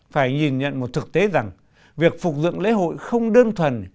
phải nhìn nhận một thực tế rằng việc phục dựng lễ hội không đơn thuần